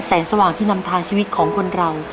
สว่างที่นำทางชีวิตของคนเรา